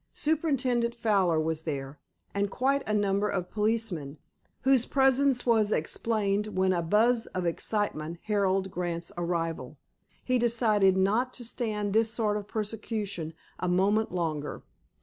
Superintendent Fowler was there, and quite a number of policemen, whose presence was explained when a buzz of excitement heralded Grant's arrival. He decided not to stand this sort of persecution a moment longer.